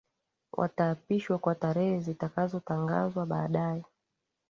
Wataapishwa kwa tarehe zitakazotangazwa baadaye